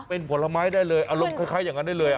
เป็นผลไม้ได้เลยอารมณ์คล้ายอย่างนั้นได้เลย